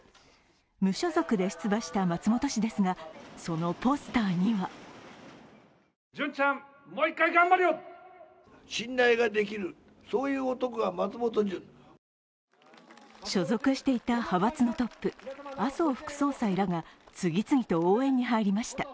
無所属で出馬した松本氏ですがそのポスターには所属していた派閥のトップ・麻生副総裁らが次々と応援に入りました。